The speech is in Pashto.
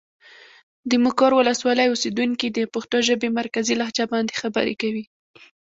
د مقر ولسوالي اوسېدونکي د پښتو ژبې مرکزي لهجه باندې خبرې کوي.